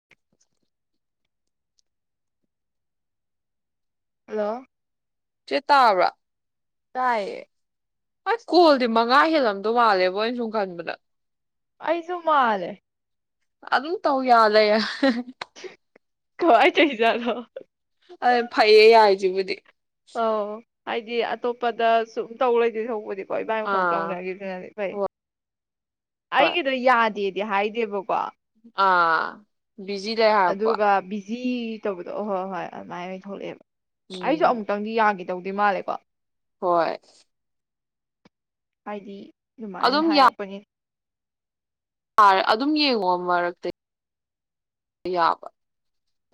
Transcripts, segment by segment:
[inaudible] hello ꯆꯦ ꯇꯥꯕ꯭ꯔꯥ ꯇꯥꯏꯌꯦ ꯑꯁ ꯀꯣꯜꯗꯤ ꯃꯉꯥ ꯍꯦꯜꯂꯝꯗꯧ ꯃꯥꯜꯂꯦꯕꯣ ꯑꯩꯅ ꯁꯨꯝ ꯈꯟꯕꯗ ꯑꯩꯁꯨ ꯃꯜꯂꯦ ꯑꯗꯨꯝ ꯇꯧ ꯌꯥ ꯂꯩꯔꯦ ꯀꯃꯥꯢ ꯇꯧꯔꯤ ꯖꯠꯅꯣ ꯑ ꯐꯩꯌꯦ ꯌꯥꯏꯔꯤꯁꯤꯕꯨꯗꯤ ꯑꯣ ꯍꯥꯏꯗꯤ ꯑꯇꯣꯞꯄꯗ ꯁꯨꯝ ꯇꯧꯂꯩꯗꯣꯏ ꯁꯔꯨꯛꯄꯨꯗꯤ ꯍꯣꯏ ꯃꯥꯏ ꯃꯊꯧ ꯑꯥ ꯇꯧꯅꯒꯤꯗꯨꯃꯗꯤ ꯍꯣꯏ ꯍꯣꯏ ꯑꯩꯒꯤꯗꯣ ꯌꯥꯗꯦ ꯗꯤ ꯍꯥꯏꯗꯦꯕꯀꯣ ꯑꯥ ꯕꯤꯖꯤꯗ ꯍꯥꯏꯔꯛꯄ ꯖꯤ ꯇꯧꯕꯗꯣ ꯑꯣ ꯍꯣꯏ ꯍꯣꯏ ꯑꯗꯨꯃꯥꯏꯅ ꯑꯣꯏꯅ ꯊꯣꯛꯂꯛꯑꯦꯕ ꯑꯩꯁꯨ ꯎꯝ ꯑꯃꯨꯛꯇꯪꯗꯤ ꯌꯥꯒꯤ ꯇꯧꯗꯦ ꯃꯥꯜꯂꯦꯀꯣ ꯍꯣꯏ ꯍꯥꯏꯗꯤ ꯑꯗꯨꯃꯥꯏꯅ ꯍꯥꯏꯔꯛꯄꯅꯤ ꯑ ꯑꯗꯨꯝ ꯌꯦꯡꯉꯣ ꯃꯔꯛꯇ ꯌꯥꯕ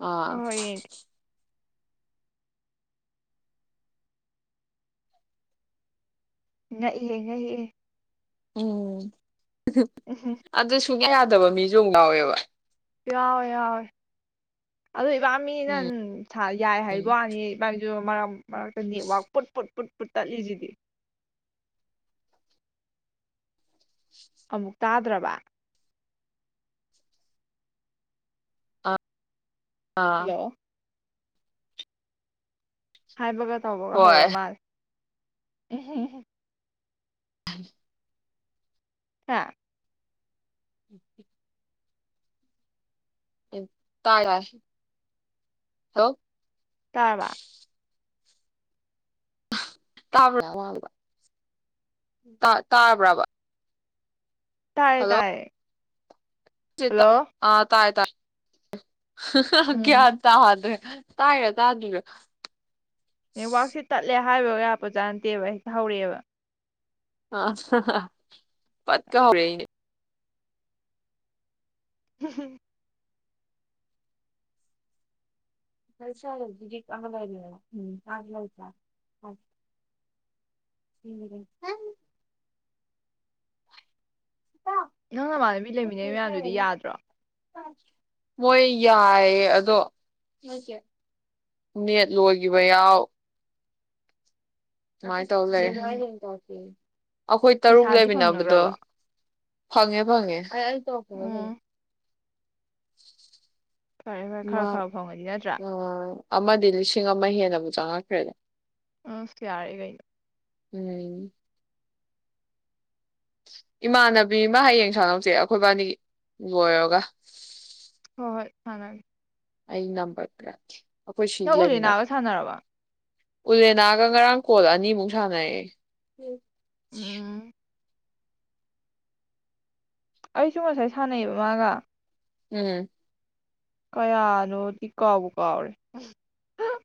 ꯑꯥ ꯍꯣ ꯍꯣꯏ ꯌꯦꯡꯉꯦ ꯉꯛꯏꯍꯦ ꯉꯛꯏꯍꯦ ꯎꯝ ꯎꯝ ꯑꯗꯨꯁꯨ ꯁꯨꯛꯌꯥ ꯌꯥꯗꯕ ꯃꯤꯁꯨ ꯑꯃꯨꯛ ꯌꯥꯎꯋꯦꯕ ꯌꯥꯎꯋꯦ ꯌꯥꯎꯋꯦ ꯑꯗꯣ ꯏꯕꯥꯝꯅꯤꯅ ꯎꯝ ꯊꯥꯏ ꯌꯥꯏ ꯍꯥꯏꯕ ꯋꯥꯅꯤ ꯑꯗꯨ ꯃꯔꯛ ꯃꯔꯛꯇ ꯅꯦꯠꯋꯥꯛ ꯄꯨꯠꯄꯨꯠ ꯇꯠꯂꯤꯁꯤꯗꯤ ꯑꯃꯨꯛ ꯇꯥꯗ꯭ꯔꯕ ꯑꯥ ꯍꯜꯂꯣ ꯍꯥꯏꯕꯒ ꯇꯥꯏꯕꯒ ꯇꯧꯕꯒ ꯍꯣꯏ ꯍꯧꯔꯃꯥꯜꯂꯦ ꯑꯦꯍ ꯍ [inaudible] ꯍꯥ ꯎꯝ ꯇꯥ ꯇꯥꯢ ꯍꯜꯂꯣ ꯇꯥꯔꯕ [unintelligible] ꯇꯥ ꯇꯥꯕ꯭ꯔꯥꯕꯥ ꯇꯥꯌꯦ ꯇꯥꯌꯦ ꯆꯦꯇ ꯇꯥꯏ ꯇꯥꯏ ꯍꯍ ꯎꯝ ꯒꯌꯥꯟ ꯇꯥꯗꯔꯦ ꯇꯥꯏꯔ ꯇꯥꯗꯔꯤꯔ ꯈꯪ ꯅꯦꯠꯋꯥꯥꯛꯁꯤ ꯇꯠꯂꯦ ꯍꯥꯏꯕꯒ ꯌꯥꯄꯖꯥꯠ ꯅꯠꯇꯦꯕ ꯍꯦꯛꯇ ꯍꯧꯔꯛꯑꯦꯕ ꯑ ꯍ ꯍ ꯄꯠ ꯀꯥꯎꯔꯦ ꯍꯨꯝ ꯍꯨꯝ [unintelligible] ꯅꯪ ꯅꯃꯥꯟꯅ ꯕꯤ ꯂꯩꯃꯤꯟꯅꯩ ꯃꯌꯥꯝꯗꯨꯗꯤ ꯌꯥꯗ꯭ꯔꯣ ꯃꯣꯏ ꯌꯥꯏꯌꯦ ꯑꯗꯣ ꯅꯦꯠ ꯂꯣꯏꯈꯤꯕ ꯌꯥꯎ ꯑꯗꯨꯃꯥꯢ ꯇꯧ ꯂꯩꯔꯦ ꯎꯝ ꯑꯩꯈꯣꯏ ꯇꯔꯨꯛ ꯄꯩꯁꯥꯗꯤ ꯂꯩꯃꯤꯟꯅꯕꯗꯣ ꯐꯪꯅꯈ꯭ꯔꯕꯣ ꯐꯪꯉꯦ ꯐꯪꯉꯦ ꯎꯝ [inaudible] ꯐꯔꯦ ꯐꯔꯦ ꯈꯔ ꯈꯔ ꯐꯪꯉꯗꯤ ꯅꯠꯇ꯭ꯔꯥ ꯑꯃ ꯑꯃꯗꯤ ꯂꯤꯁꯤꯡ ꯑꯃ ꯍꯦꯟꯅ ꯕꯨ ꯆꯪꯉꯛꯈ꯭ꯔꯦꯗ ꯑꯁ ꯌꯥꯔꯦ ꯀꯩꯅꯣ ꯎꯝ ꯏꯃꯥꯟꯅꯕꯤ ꯃꯥ ꯍꯌꯦꯡ ꯁꯥꯟꯅꯧꯁꯦ ꯑꯩꯈꯣꯏꯕꯥꯅꯤ ꯂꯣꯏꯔꯒ ꯍꯣꯏ ꯍꯣꯏ ꯃꯥꯟꯅ ꯑꯩ ꯅꯝꯕꯔ ꯄꯤꯔꯛꯀꯦ ꯑꯩꯈꯣꯏ ꯁꯤ ꯅꯪ ꯎ ꯂꯦ ꯂꯩꯃꯤꯟꯅꯕ ꯅꯥꯒ ꯁꯥꯟꯅꯔꯕ ꯎꯂꯦꯅꯥꯒ ꯉꯔꯥꯡ ꯀꯣꯜ ꯑꯅꯤꯃꯨꯛ ꯁꯥꯟꯅꯩ ꯎꯝ ꯑꯩꯁꯨ ꯉꯁꯥꯏ ꯁꯥꯟꯅꯩꯑꯕ ꯃꯥꯒ ꯎꯝ ꯀꯌꯥꯅꯣꯗꯤ ꯀꯥꯎꯕ ꯀꯥꯎꯔꯦ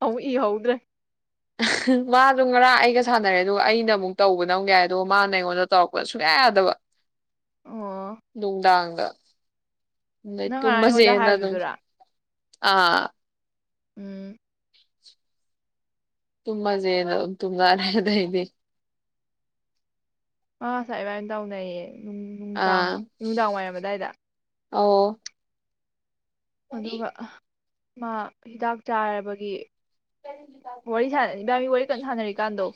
ꯑꯃꯨꯛ ꯏꯍꯧꯗ꯭ꯔꯦ ꯃꯥꯗꯣ ꯉꯔꯥꯡ ꯑꯩꯒ ꯁꯥꯟꯅꯔꯦ ꯑꯗꯨ ꯑꯩꯅ ꯑꯃꯨꯛ ꯇꯧꯕꯅ ꯌꯥꯏ ꯑꯗꯣ ꯃꯥꯅ ꯑꯩꯉꯣꯟꯗ ꯇꯧꯔꯛꯄꯗ ꯁꯨꯡꯌꯥ ꯌꯥꯗꯕ ꯑꯣ ꯅꯨꯡꯗꯥꯥꯡ ꯑꯥ ꯅꯪ ꯉꯔꯥꯡ ꯑꯩꯉꯣꯟꯗ ꯇꯨꯝꯃꯁꯦꯅ ꯑꯗꯨꯝ ꯍꯥꯏꯕꯗꯨꯔꯥ ꯑꯥ ꯎꯝ ꯇꯨꯝꯃꯖꯦꯅ ꯑꯗꯨꯝ ꯇꯨꯝꯅꯔꯦ ꯑꯗꯨꯗꯩꯗꯤ ꯑ ꯉꯁꯥꯢ ꯏꯕꯥꯏꯟ ꯇꯧꯅꯩꯌꯦ ꯅꯨꯡꯗꯥꯡ ꯅꯨꯡꯗꯥꯡ ꯋꯥꯏꯔꯝ ꯑꯗꯥꯏꯗ ꯑꯣ ꯑꯗꯨꯒ ꯑ ꯃꯥ ꯍꯤꯗꯥꯛ ꯆꯥꯔꯕꯒꯤ ꯋꯥꯔꯤ ꯁꯥꯟꯅ ꯏꯕꯥꯅꯤ ꯋꯥꯔꯤ ꯀꯟꯅ ꯁꯥꯟꯅꯔꯤꯀꯥꯟꯗꯣ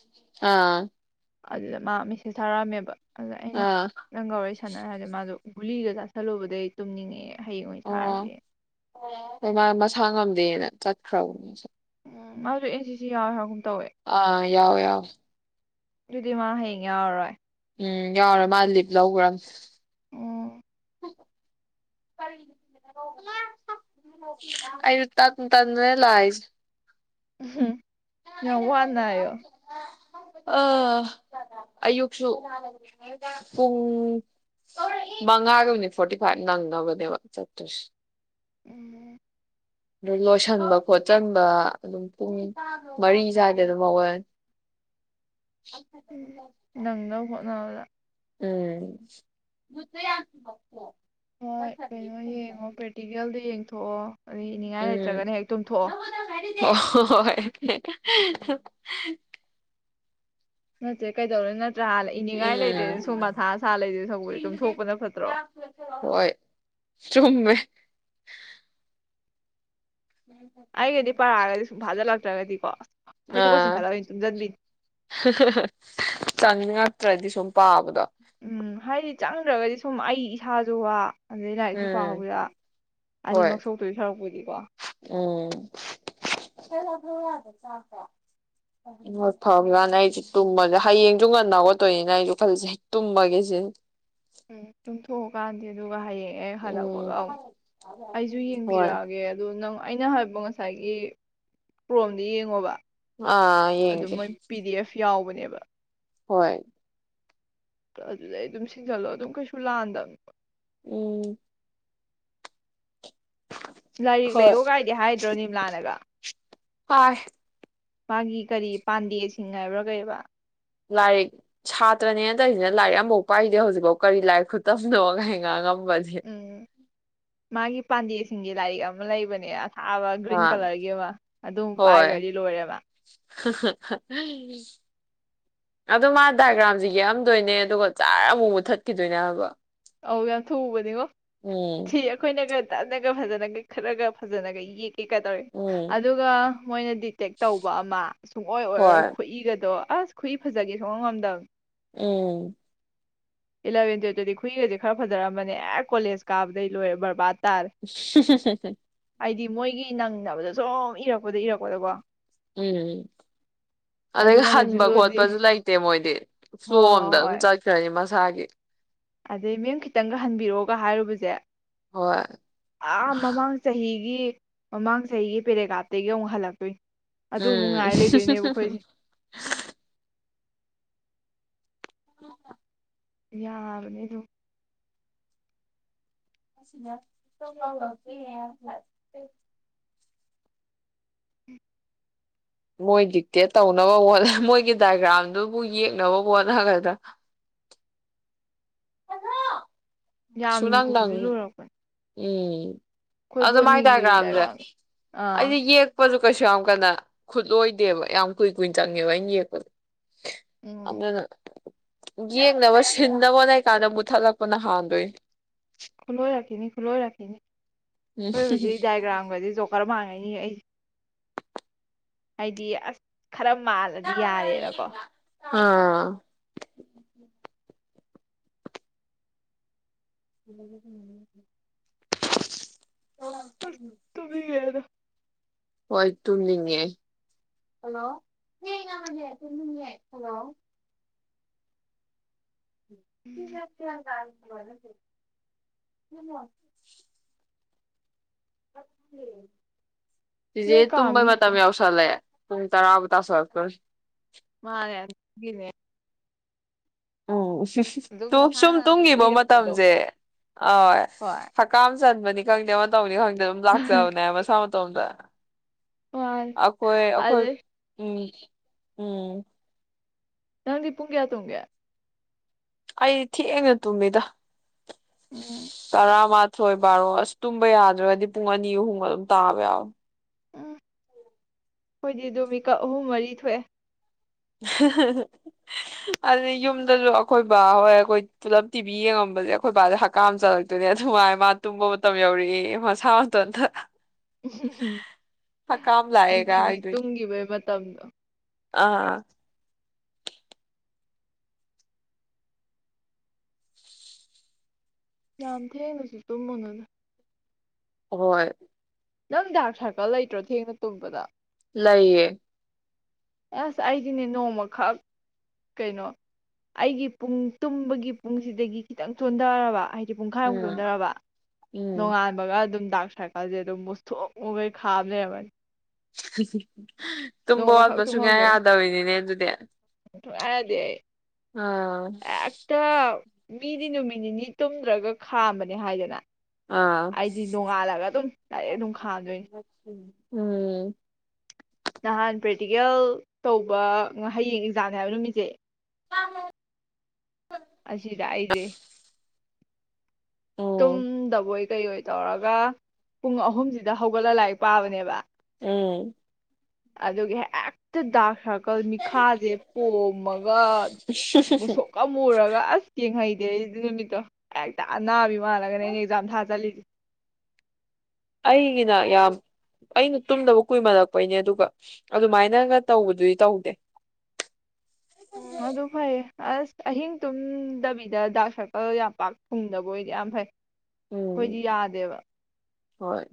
ꯑꯥ ꯑꯗꯨꯗ ꯃꯥ ꯃꯦꯁꯦꯁ ꯊꯥꯔꯛꯑꯝꯃꯦꯕ ꯑꯗ ꯑꯩꯅ ꯑꯥ ꯅꯪꯒ ꯋꯥꯔꯤ ꯁꯥꯟꯅꯔꯦ ꯍꯥꯏꯔꯗꯤ ꯃꯥꯖꯨ ꯒꯨꯂꯤꯒ ꯆꯥꯥꯁꯜꯂꯨꯕꯗꯩ ꯑꯩ ꯇꯨꯝꯅꯤꯡꯉꯦ ꯍꯌꯦꯡꯑꯣꯏ ꯑꯣ ꯁꯔꯁꯦ ꯃꯥ ꯃꯁꯥ ꯉꯝꯗꯦꯅ ꯆꯠꯈ꯭ꯔꯒꯨꯝ ꯎ ꯃꯥꯁꯨ ꯑꯦꯟ ꯁꯤꯁꯤ ꯌꯥꯎꯋꯦ ꯍꯥ ꯑꯥ ꯌꯥꯎꯋꯦ ꯌꯥꯎꯋꯦ ꯑꯗꯨꯗꯤ ꯃꯥ ꯍꯌꯦꯡ ꯌꯥꯎꯔꯔꯣꯏ ꯎꯝ ꯌꯥꯎꯔꯔꯣꯏ ꯃꯥ ꯂꯤꯞ ꯂꯧꯒ꯭ꯔꯅꯤ ꯎꯝ ꯑꯩꯁꯨ ꯇꯜ ꯇꯜ ꯅꯦ ꯂꯥꯛꯏꯁꯦ ꯌꯥꯝ ꯋꯥꯅꯌꯣ ꯑꯥ ꯑꯌꯨꯛꯁꯨ ꯄꯨꯡ ꯃꯉꯥꯒ ꯃꯤꯅꯤꯠ ꯐꯣꯔꯇꯤ ꯐꯥꯏꯚ ꯅꯪ ꯗꯕꯅꯦꯕ ꯆꯠꯇꯨꯁ ꯎꯝ ꯑꯗꯨ ꯂꯣꯏꯁꯤꯟꯕ ꯈꯣꯠꯆꯟꯕ ꯑꯗꯨꯝ ꯄꯨꯡ ꯃꯔꯤ ꯁ꯭ꯋꯥꯏꯗ ꯑꯗꯨꯝ ꯍꯧꯒꯠꯂꯦ ꯎꯝ ꯅꯪ ꯅꯪ ꯍꯣꯠ ꯅꯑꯣꯟꯗ ꯎꯝ [unintelligible] ꯍꯣꯏ ꯀꯩꯅꯣ ꯌꯦꯡꯉꯣ ꯄ꯭ꯔꯦꯛꯇꯤꯀꯦꯜꯗꯣ ꯌꯦꯡꯊꯣꯛꯑꯣ ꯑꯩ ꯏꯅꯤꯡꯉꯥꯏ ꯂꯩꯇ꯭ꯔꯒꯅ ꯍꯦꯛ ꯇꯨꯝꯊꯣꯛꯑꯣ ꯑꯣꯍꯣ ꯍꯣ ꯍꯣꯏ [inaudible] ꯅꯠꯇꯦ ꯀꯩꯗꯧꯔꯦ ꯅꯠ ꯎꯝ ꯂꯩꯗꯣꯏ ꯁꯔꯨꯛꯄꯨꯗꯤ ꯇꯨꯝꯊꯣꯛꯄꯅ ꯐꯠꯇ꯭ꯔꯣ ꯍꯣꯏ ꯆꯨꯝꯃꯦ ꯑꯩꯒꯗꯤ ꯄꯔꯥꯒꯗꯤ ꯁꯨꯝ ꯐꯥꯖꯤꯜꯂꯛꯇ꯭ꯔꯒꯗꯤꯀꯣ ꯐꯩꯖꯨꯞꯀ ꯑꯥ ꯆꯤꯡꯈꯠꯂꯒ ꯇꯨꯝꯖꯟꯕꯤꯅꯤ ꯍ ꯍ ꯍ ꯀꯪꯉꯛ ꯅꯠꯇ꯭ꯔꯗꯤ ꯁꯨꯝ ꯄꯥꯕꯗꯣ ꯎꯝ ꯍꯥꯏꯗꯤ ꯆꯡ ꯎꯞꯇ꯭ꯔꯒꯗꯤ ꯁꯨꯝ ꯑꯩ ꯏꯁꯥꯁꯨ ꯋꯥ ꯑꯗꯩ ꯂꯥꯏꯔꯤꯛꯁꯨ ꯎꯝ ꯄꯥꯍꯧꯗ ꯍꯣꯏ ꯑꯅꯤꯃꯛ ꯁꯣꯛꯇꯣꯏ ꯁꯔꯨꯛꯄꯨꯗꯤꯀꯣ ꯏꯃꯣꯠ ꯐꯕ꯭ꯔꯅ ꯑꯩꯁꯤ ꯇꯨꯝꯕꯁꯦ ꯍꯌꯦꯡꯁꯨ ꯉꯟꯅ ꯍꯧꯒꯠꯇꯣꯏꯅꯤꯅ ꯑꯩꯁꯨ ꯈꯜꯂꯤꯁꯦ ꯇꯨꯝꯕꯒꯦꯁꯤꯅꯤ ꯎꯝ ꯇꯨꯝꯊꯣꯛꯑꯣ ꯀꯥꯟꯗꯦ ꯑꯗꯨ ꯑꯗꯨꯒ ꯍꯌꯦꯡ ꯑꯦ ꯎꯝ ꯍꯜꯂꯛꯄꯒ ꯑꯎꯝ ꯑꯩꯁꯨ ꯍꯣꯏ ꯌꯦꯡꯕꯤꯔꯛꯑꯒꯦ ꯑꯗꯨ ꯅꯪ ꯑꯩꯅ ꯍꯥꯏꯕ ꯉꯁꯥꯏꯒꯤ ꯀ꯭ꯔꯣꯝꯗ ꯌꯦꯡꯉꯣꯕ ꯑꯥ ꯑꯗꯨ ꯌꯦꯡꯒꯦ ꯃꯣꯏ ꯄꯤ ꯗꯤ ꯑꯦꯐ ꯌꯥꯎꯕꯅꯤ ꯅꯦꯕ ꯍꯣꯏ ꯑꯗꯨꯗꯩ ꯑꯗꯨꯝ ꯁꯤꯟꯖꯜꯂꯣ ꯑꯗꯨꯝ ꯀꯩꯁꯨ ꯂꯥꯟꯗꯝꯅꯦꯕ ꯎꯝ ꯂꯥꯏꯔꯤꯛ ꯍꯣꯏ ꯂꯩꯌꯣ ꯀꯥꯏꯗꯤ ꯍꯥꯏꯗ꯭ꯔꯣ ꯅꯤꯝꯂꯥꯅꯒ ꯍꯥꯏ ꯃꯥꯒꯤ ꯀꯔꯤ ꯄꯥꯟꯗꯦꯁꯤꯡ ꯍꯥꯏꯕ꯭ꯔꯥ ꯀꯩꯕ ꯂꯥꯏꯔꯤꯛ ꯁꯥꯇ꯭ꯔꯅꯦꯅ ꯇꯧꯏꯖꯤꯅ ꯂꯥꯏꯔꯤꯛ ꯑꯝꯕꯥꯎ ꯄꯥꯏꯗꯦ ꯍꯧꯖꯤꯛꯕꯥꯎ ꯀꯔꯤ ꯂꯥꯏꯔꯤꯛ ꯈꯨꯠꯇꯝꯅꯣ ꯀꯥ ꯉꯥꯡꯉꯝ [unintelligible] ꯎꯝ ꯃꯥꯒꯤ ꯄꯥꯟꯗꯦꯁꯤꯡꯒꯤ ꯂꯥꯏꯔꯤꯛ ꯑꯃ ꯂꯩꯕꯅꯦ ꯊꯥꯕ ꯒ꯭ꯔꯤꯟ ꯑꯥ ꯀꯂꯔꯒꯤ ꯑꯃ ꯑꯗꯨꯝ ꯍꯣꯏ ꯄꯥꯏꯒ꯭ꯔꯗꯤ ꯂꯣꯏꯔꯦ ꯃꯥ ꯑꯗꯨ ꯃꯥ ꯗꯥꯏꯒ꯭ꯔꯥꯝꯖꯦ ꯌꯦꯛꯑꯝꯗꯣꯏꯅꯦ ꯑꯗꯨꯒ ꯖꯔ ꯑꯃꯨꯛ ꯃꯨꯊꯠꯈꯤꯗꯣꯏꯅꯦ ꯍꯥꯏꯕ ꯑꯧ ꯌꯥꯝ ꯊꯨꯕꯅꯤꯉꯣ ꯎꯝ ꯁꯤ ꯑꯈꯣꯏꯅꯒ ꯇꯅꯒ ꯐꯖꯅꯒ ꯈꯔꯒ ꯐꯖꯅꯒ ꯌꯦꯛ ꯀꯩꯗꯧꯔꯤ ꯎꯝ ꯑꯗꯨꯒ ꯃꯣꯏꯅ ꯗꯤꯛꯇꯦꯠ ꯇꯧꯕ ꯑꯃ ꯁꯨꯡꯑꯣ ꯑꯣꯏꯔꯔꯣꯏ ꯍꯣꯏ ꯈꯨꯠꯏꯒꯗꯣ ꯑꯁ ꯈꯨꯨꯏ ꯐꯖꯒꯦ ꯁꯨꯉꯝ ꯉꯝꯗꯝꯅꯦ ꯎꯝ ꯏꯂꯚꯦꯟ ꯇꯨꯋꯜꯇꯗꯤ ꯈꯨꯨꯏꯒꯖꯦ ꯈꯔ ꯐꯖꯔꯝꯕꯅꯦ ꯑꯦ ꯀꯣꯂꯦꯖ ꯀꯥꯕꯗꯩ ꯂꯣꯏꯔꯦ ꯕꯔꯕꯥꯔꯠ [unintelligible] ꯍꯥꯏꯗꯤ ꯃꯣꯏꯒꯤ ꯅꯪꯅꯕꯗ ꯖꯣ ꯏꯔꯛꯄ ꯎꯝ ꯑꯗꯒꯤ ꯑꯗꯨꯅꯒ ꯍꯟꯕ ꯖꯨꯂꯣꯖꯤ ꯈꯣꯠꯄꯁꯨ ꯂꯩꯇꯦ ꯃꯣꯏꯗꯤ ꯐ꯭ꯂꯣ ꯍꯣꯏ ꯑꯝꯗ ꯍꯣꯏ ꯑꯗꯨꯝ ꯍꯣꯏ ꯆꯠꯈ꯭ꯔꯅꯤ ꯃꯁ ꯁꯥꯒꯤ ꯑꯗꯩ ꯃꯦꯝ ꯈꯤꯇꯪꯒ ꯍꯟꯕꯤꯔꯛꯑꯣꯒ ꯍꯥꯏꯔꯨꯕꯖꯦ ꯍꯣꯏ ꯑꯥ ꯃꯃꯥꯡ ꯆꯍꯤ ꯃꯃꯥꯡ ꯆꯍꯤ ꯒꯤ ꯄꯦꯔꯥꯒ꯭ꯔꯥꯐꯇꯒꯤ ꯑꯃꯨꯛ ꯍꯜꯂꯛꯇꯣꯏ ꯎꯝ [inaudible] ꯌꯥꯕꯅꯦ ꯑꯗꯨꯝ [unintelligible] ꯃꯣꯏ ꯗꯤꯛꯇꯦꯠ ꯇꯧꯅꯕ ꯍꯣꯠꯅ ꯃꯣꯏꯒꯤ ꯗꯥꯏꯒ꯭ꯔꯥꯝꯗꯨꯕꯨ ꯌꯦꯛꯅꯕ ꯍꯣꯠꯅꯒꯗ꯭ꯔꯥ ꯌꯥꯝ ꯁꯨꯡꯅꯪ ꯅꯪ ꯂꯨꯖꯨ ꯂꯨꯔꯛꯄꯅꯤ ꯎꯝ ꯑꯗꯨ ꯃꯥꯏ ꯗꯥꯏꯒ꯭ꯔꯥꯝꯖꯦ ꯗꯥꯏꯒ꯭ꯔꯥꯝ ꯑꯥ ꯑꯩꯗꯤ ꯌꯦꯛꯄꯖꯨ ꯀꯩꯁꯨ ꯌꯥꯝ ꯀꯟꯅ ꯈꯨꯠꯂꯣꯏꯗꯦꯕ ꯌꯥꯝ ꯀꯨꯏ ꯀꯨꯏꯅ ꯆꯪꯉꯦꯕ ꯑꯩꯅ ꯌꯦꯛꯄꯖꯦ ꯎꯝ ꯑꯃꯅ ꯌꯦꯛꯅꯕ ꯁꯤꯟꯅꯕ ꯍꯣꯠꯅꯩꯀꯥꯟꯗ ꯃꯨꯠ ꯊꯠꯂꯛꯄꯅ ꯍꯥꯟꯗꯣꯏꯅꯦ ꯈꯨꯂꯣꯏꯔꯛꯈꯤꯅꯤ ꯈꯨꯂꯣꯏꯔꯛꯈꯤꯅꯤ ꯎꯝ ꯈꯣꯏ ꯍꯧꯖꯤꯛ ꯗꯥꯏꯒ꯭ꯔꯥꯝ ꯒꯖꯦ ꯖꯣꯀꯔ ꯃꯥꯟꯒꯩꯅꯤ ꯑꯩ ꯍꯥꯏꯗꯤ ꯑꯁ ꯈꯔ ꯃꯥꯜꯂꯗꯤ ꯌꯥꯔꯦꯕꯀꯣ ꯑꯥ [inaudible] ꯑꯁ ꯇꯨꯝꯅꯤꯡ ꯉꯦꯗ ꯍꯣꯏ ꯇꯨꯝꯅꯤꯡꯉꯦ ꯍꯜꯂꯣ ꯍꯜꯂꯣ [unintelligible] [unintelligible] [inaudible] [inaudible] ꯆꯤꯆꯦ ꯅꯣꯏ ꯀꯥ ꯇꯨꯝꯕꯩ ꯃꯤꯗꯤ ꯃꯇꯝ ꯌꯧꯁꯜꯂꯛ ꯑꯦ ꯄꯨꯡ ꯇꯔꯥꯕꯨ ꯇꯥꯁꯤꯜꯂꯛꯇꯧꯔꯦ ꯃꯥꯅꯦ ꯑꯗꯨꯒꯤꯅꯦ ꯑꯗꯨꯝ ꯑꯣ ꯁꯨꯝ ꯃꯁꯥꯅ ꯑꯗꯨꯝ ꯇꯨꯝꯒꯤꯕ ꯎꯏꯔꯛꯄꯗꯣ ꯃꯇꯝꯁꯦ ꯑ ꯍꯣꯏ ꯍꯀꯥꯝ ꯆꯟꯕꯅꯤ ꯈꯪꯗꯦ ꯑꯃ ꯇꯧꯕꯅꯤ ꯈꯪꯗꯦ ꯗꯨꯝ ꯂꯥꯛꯆꯕꯅꯦ ꯃꯁꯥ ꯃꯇꯣꯝꯗ ꯇꯣꯝꯗ ꯃꯥꯅꯦ ꯑꯩꯈꯣꯏ ꯑꯩꯈꯣꯏ ꯑꯗꯩ ꯃꯤ ꯎꯝ ꯅꯪꯗꯤ ꯄꯨꯡ ꯀꯌꯥ ꯇꯨꯡꯒꯦ ꯑꯩꯗꯤ ꯊꯦꯡꯅ ꯇꯨꯝꯃꯤꯗ ꯎꯝ ꯇꯔꯥꯃꯥꯊꯣꯢ ꯒꯣꯏ ꯕꯥꯔꯣ ꯑꯁ ꯇꯨꯝꯕ ꯌꯥꯗ꯭ꯔꯒꯗꯤ ꯄꯨꯡ ꯑꯅꯤ ꯑꯍꯨꯝꯒ ꯑꯗꯨꯝ ꯇꯥꯕ ꯌꯥꯎꯏ ꯎꯝ ꯈꯣꯏꯗꯤ ꯑꯗꯨ ꯃꯤꯀꯞ ꯑꯍꯨꯝ ꯃꯔꯤ ꯊꯣꯛꯑꯦ ꯑꯗꯨ ꯌꯨꯝꯗꯁꯨ ꯑꯩꯈꯣꯏ ꯕꯥ ꯍꯣꯏ ꯑꯩꯈꯣꯏ ꯄꯨꯂꯞ ꯇꯤꯚꯤ ꯌꯦꯡꯉꯝꯕꯁꯦ ꯑꯩꯈꯣꯏ ꯕꯥꯁꯦ ꯍꯛꯀꯥꯝ ꯆꯠꯂꯛꯇꯣꯏꯅꯦ ꯑꯗꯨꯃꯥꯏꯅ ꯃꯥ ꯇꯨꯝꯕ ꯃꯇꯝ ꯌꯧꯔꯛꯑꯦꯌꯦ ꯃꯁꯥ ꯃꯇꯣꯝꯇ ꯎ ꯂꯥꯛꯑꯦꯒ ꯅꯨꯡꯇꯤꯒꯤ ꯍꯥꯏꯗꯣꯏꯅꯦ ꯇꯨꯡꯒꯤꯕꯩ ꯃꯇꯝ ꯇꯝꯗꯣ ꯑꯥ ꯌꯥꯝ ꯊꯦꯡꯅꯁꯨ ꯇꯨꯝꯃꯨꯅꯨꯗ ꯍꯣꯏ ꯅꯪ ꯗꯥꯔꯛ ꯁꯥꯔꯀꯜ ꯂꯩꯇ꯭ꯔꯣ ꯊꯦꯡꯅ ꯇꯨꯝꯕꯗꯣ ꯂꯩꯥꯌꯦ ꯑꯁ ꯑꯩꯗꯤꯅꯦ ꯅꯣꯡꯃꯈꯛ ꯀꯩꯅꯣ ꯑꯩꯒꯤ ꯄꯨꯡ ꯇꯨꯝꯕꯒꯤ ꯄꯨꯡꯁꯤꯗꯒꯤ ꯈꯤꯇꯪ ꯆꯣꯟꯊꯔꯕ ꯍꯥꯏ ꯄꯨꯡꯈꯥꯏꯃꯨꯛ ꯎꯝ ꯆꯣꯟꯗꯔꯕ ꯎꯝ ꯅꯣꯡꯉꯥꯟꯕꯒ ꯑꯗꯨꯝ ꯗꯥꯛ ꯁꯥꯔꯀꯜꯁꯦ ꯑꯗꯨꯝ ꯃꯨꯁꯨꯛ ꯃꯨꯈꯩ ꯈꯥꯝ ꯂꯩꯔꯝꯃꯅꯤ [unintelligible] ꯇꯨꯝꯕ ꯅꯣꯡꯃꯈꯛ ꯋꯥꯠꯄ ꯁꯨꯡꯌꯥ ꯇꯨꯝꯍꯧꯗꯕꯩ ꯌꯥꯗꯕꯤꯅꯤꯅꯦ ꯑꯗꯨꯗꯤ ꯑ ꯁꯨꯡꯌꯥ ꯌꯥꯗꯦ ꯑꯩ ꯍꯦꯛꯇ ꯃꯤꯗꯤ ꯅꯨꯃꯤꯠ ꯅꯤꯅꯤ ꯇꯨꯝꯗ꯭ꯔꯒ ꯈꯥꯝꯕꯅꯦ ꯍꯥꯏꯗꯅ ꯑꯥ ꯑꯩꯗꯤ ꯅꯣꯡꯉꯥꯜꯂꯒ ꯑꯗꯨꯝ ꯗꯥꯢꯏꯔꯦꯛ ꯑꯗꯨꯝ ꯈꯥꯝꯗꯣꯏꯅꯤ ꯎꯝ ꯅꯍꯥꯟ ꯄ꯭ꯔꯦꯛꯇꯤꯀꯦꯜ ꯇꯧꯕ ꯍꯌꯦꯡꯅꯤ ꯑꯦꯛꯖꯥꯝꯅꯤ ꯍꯥꯏꯕ ꯅꯨꯃꯤꯠꯁꯦ [unintelligible] ꯑꯁꯤꯗ ꯑꯩꯖꯦ ꯎꯝ ꯇꯨꯝꯗꯕꯣꯏ ꯀꯩꯑꯣꯏ ꯇꯧꯔꯒ ꯄꯨꯡ ꯑꯍꯨꯝꯁꯤꯗ ꯍꯧꯒꯠꯂꯒ ꯂꯥꯏꯔꯤꯛ ꯄꯥꯕꯅꯦꯕ ꯎꯝ ꯑꯗꯨꯒꯤ ꯍꯦꯛꯇ ꯗꯥꯛ ꯁꯔ ꯥꯀꯜ ꯃꯤꯠꯈꯥꯁꯦ ꯄꯣꯝꯃꯒ ꯃꯨꯁꯨꯛꯀ ꯃꯨꯔꯒ ꯑꯁ ꯌꯦꯡꯍꯩ ꯑꯗꯨꯢ ꯅꯨꯃꯤꯠꯇꯣ ꯍꯦꯛꯇ ꯑꯅꯥꯕꯤ ꯃꯥꯜꯂꯒꯅꯦ ꯑꯩꯅ ꯑꯦꯛꯖꯥꯝ ꯊꯥ ꯆꯠꯂꯤ ꯑꯩꯒꯤꯅ ꯌꯥꯝ ꯑꯩ ꯇꯨꯝꯗꯕ ꯀꯨꯏꯃꯜꯂꯛꯄꯩꯅꯦ ꯑꯗꯨꯒ ꯑꯗꯨꯃꯥꯏꯅꯒ ꯇꯧꯕꯗꯨꯗꯤ ꯇꯧꯗꯦ ꯎ ꯑꯗꯨ ꯐꯩ ꯑꯁ ꯑꯍꯤꯡ ꯇꯨꯝꯗꯕꯤꯗ ꯗꯥꯛ ꯁꯥꯔꯀꯜ ꯌꯥꯝ ꯄꯥꯛ ꯊꯨꯡꯗꯕ ꯑꯣꯏꯗꯤ ꯌꯥꯝ ꯐꯩ ꯎꯝ ꯈꯣꯢꯗꯤ ꯌꯥꯗꯦꯕ ꯍꯣꯏ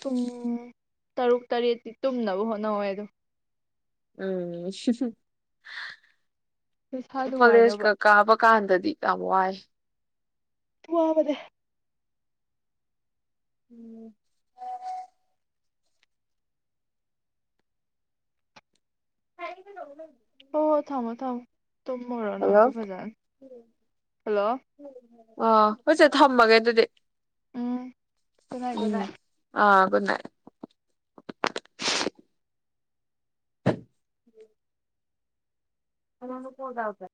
ꯄꯨꯡ ꯇꯔꯨꯛ ꯇꯔꯦꯠꯇꯤ ꯇꯨꯝꯅꯕ ꯍꯣꯠꯅꯧꯋꯣꯌꯦ ꯑꯗꯨꯝ ꯎꯝ ꯍꯝ ꯍꯝ ꯅꯁꯥ ꯅꯨꯡꯉꯥꯏꯅꯕ ꯀꯣꯂꯦꯖꯀ ꯀꯥꯕ ꯀꯥꯟꯗꯗꯤ ꯌꯥꯝ ꯋꯥꯏ ꯋꯥꯕꯅꯦ ꯎꯝ [unintelligible] ꯍꯣ ꯍꯣ ꯊꯝꯃꯣ ꯊꯝꯃꯣ ꯇꯨꯝꯃꯣꯔꯣ ꯍꯜꯂꯣ ꯅꯪꯁꯨꯨ ꯐꯖꯥꯟ ꯍꯜꯂꯣ ꯑ ꯍꯣꯏꯆꯦ ꯊꯝꯃꯒꯦ ꯑꯗꯨꯗꯤ um good night good um night ꯑ ꯒꯨꯗ ꯅꯥꯏꯠ ꯑꯃꯅ ꯐꯣꯟ ꯇꯧꯔꯛꯄ꯭ꯔꯥ